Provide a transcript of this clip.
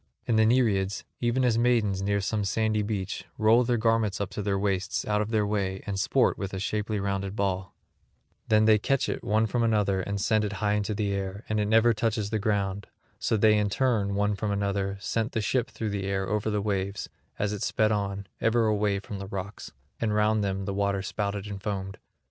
And the Nereids, even as maidens near some sandy beach roll their garments up to their waists out of their way and sport with a shapely rounded ball; then they catch it one from another and send it high into the air; and it never touches the ground; so they in turn one from another sent the ship through the air over the waves, as it sped on ever away from the rocks; and round them the water spouted and foamed.